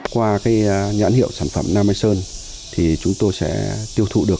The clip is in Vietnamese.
qua nhãn hiệu sản phẩm na mai sơn chúng tôi sẽ tiêu thụ được